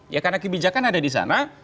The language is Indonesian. ya karena kebijakan ada di sana